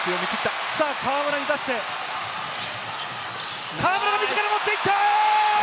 河村に出して、河村が自ら持っていった！